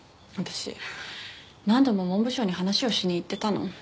私何度も文部省に話をしに行ってたの。